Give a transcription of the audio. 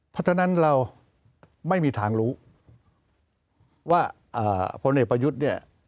เพราะฉะนั้นเราไม่มีทางรู้ว่าพระมนุษย์ประยุทธ์